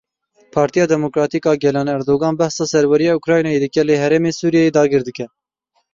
Partiya Demokratîk a Gelan Erdogan behsa serweriya Ukraynayê dike lê herêmên Sûriyeyê dagir dike.